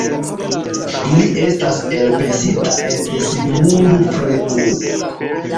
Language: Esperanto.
Ili estas elpensitaj de Sigmund Freud.